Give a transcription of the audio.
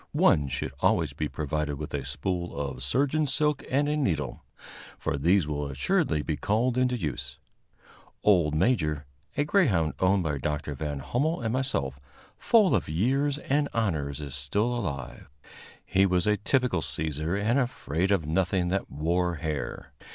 One should always be provided with a spool of surgeon's silk and a needle, for these will assuredly be called into use. Old Major, a greyhound owned by Dr. Van Hummel and myself, full of years and honors, is still alive. He was a typical seizer and afraid of nothing that wore hair.